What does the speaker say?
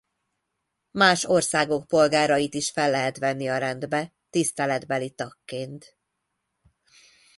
Más országok polgárait is fel lehet venni a rendbe tiszteletbeli tagként.